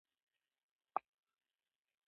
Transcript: د کریمي صیب د کور په لور قدمونه اخیستل.